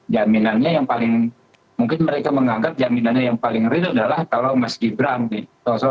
jaminannya yang paling mungkin mereka menganggap jaminannya yang paling real adalah kalau mas gibran nih